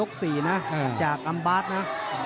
ใกล้ยก๔นะจากอับบาสนะ